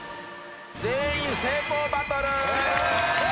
全員成功バトル！